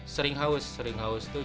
sering haus sering haus itu